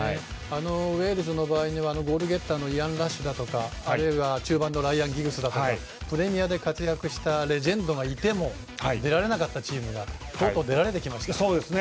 ウェールズの場合にはボールゲッターのイアン・ラッシュだとかあるいは中盤のライアン・ギグスだとかプレミアで活躍したレジェンドがいても出られなかったチームがとうとう出られました。